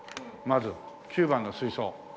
まず９番の水槽。